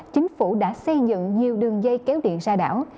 chính phủ đã xây dựng nhiều đường dây kéo điện ra đảo